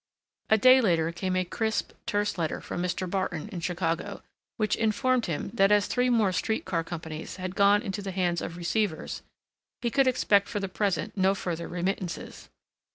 A day later came a crisp, terse letter from Mr. Barton in Chicago, which informed him that as three more street car companies had gone into the hands of receivers he could expect for the present no further remittances.